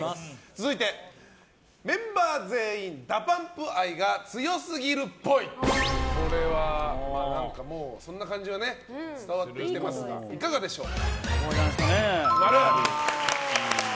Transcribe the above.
続いて、メンバー全員ＤＡＰＵＭＰ愛が強すぎるっぽい。これはそんな感じは伝わってきていますがいかがでしょう？